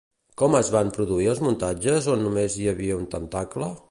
Com es van produir els muntatges on només hi havia un tentacle?